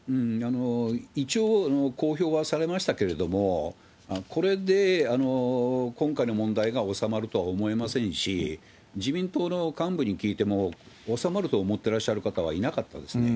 一応、公表はされましたけれども、これで今回の問題が収まるとは思えませんし、自民党の幹部に聞いても、収まると思ってらっしゃる方はいなかったですね。